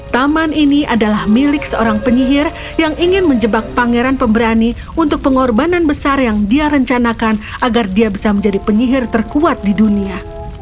taman ini adalah milik seorang penyihir yang ingin menjebak pangeran pemberani untuk pengorbanan besar yang dia rencanakan agar dia bisa menjadi penyihir terkuat di dunia